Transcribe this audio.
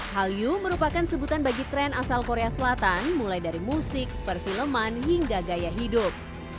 hallyu merupakan sebutan bagi tren asal korea selatan mulai dari musik perfilman hingga gaya hidup